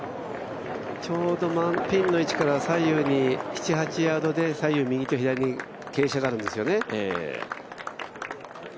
ちょうどピンの位置から左右に７８ヤードで左右、右と左に傾斜があるんですよね。